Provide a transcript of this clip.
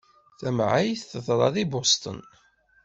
Tamεayt teḍra deg Boston.